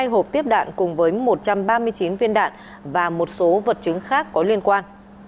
hai hộp tiếp đạn cùng với một trăm ba mươi chín viên đạn và một số vật chứng khác có liên quan